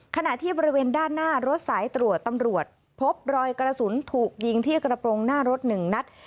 ขณะที่บริเวณด้านหน้ารถสายตรวจตำรวจพบรอยกระสุนถูกยิงที่กระโปรงหน้ารถ๑นัด